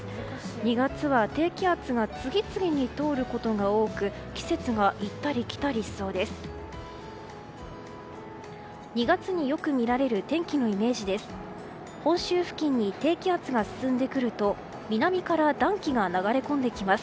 ２月は低気圧が次々に通ることが多く季節が行ったり来たりしそうです。